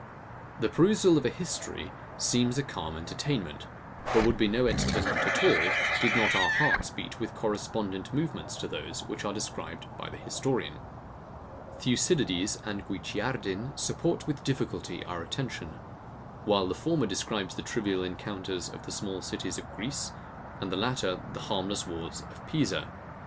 The perusal of a history seems a calm entertainment; but would be no entertainment at all, did not our hearts beat with correspondent movements to those which are described by the historian. Thucydides and Guicciardin support with difficulty our attention; while the former describes the trivial encounters of the small cities of Greece, and the latter the harmless wars of Pisa.